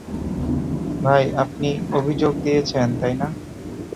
ভাই, আপনি অভিযোগ দিয়েছেন, তাই না?